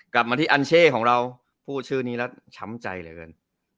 กลับมาที่อันเช่ของเราพูดชื่อนี้แล้วช้ำใจเหลือเกิน